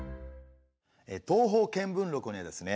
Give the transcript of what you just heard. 「東方見聞録」にはですね